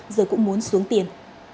giờ cũng muốn xuống tiền